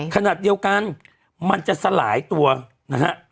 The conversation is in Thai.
ขณะเดียวกันมันจะสลายตัวนะฮะ